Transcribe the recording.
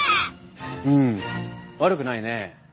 うん悪くないねえ。